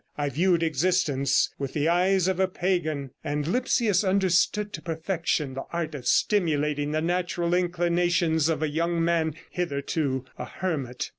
I viewed existence with the eyes of a pagan, and Lipsius understood to perfection the art of stimulating the natural inclinations of a young man hitherto a hermit.